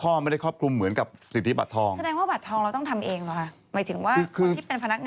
ต้องทำเองเหรอคะหมายถึงว่าคนที่เป็นพนักงานต้องทำเอง